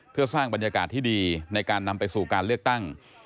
เพื่อสร้างบรรยากาศที่ดีในการนำไปสู่การเลือกตั้ง